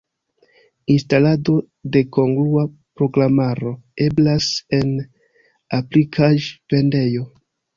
Instalado de kongrua programaro eblas en aplikaĵ-vendejo.